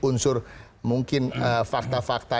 unsur mungkin fakta fakta